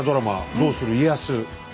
「どうする家康」ねえ